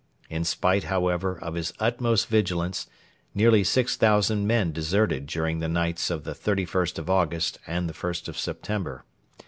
In spite, however, of his utmost vigilance, nearly 6,000 men deserted during the nights of the 31st of August and the 1st of September.